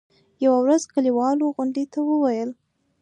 يوه ورځ د کلیوالو غونډې ته وویل.